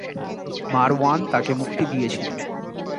মারওয়ান তাকে মুক্তি দিয়েছিলেন।